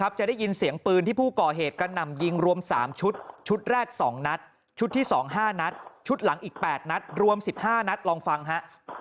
จะได้ยินเสียงปืนที่ผู้ก่อเหตุกระหน่ำยิงรวม๓ชุดชุดแรก๒นัดชุดที่๒๕นัดชุดหลังอีก๘นัดรวม๑๕นัดลองฟังฮะ